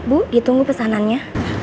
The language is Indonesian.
bu ditunggu pesanannya